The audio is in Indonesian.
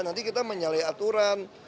nanti kita menyalai aturan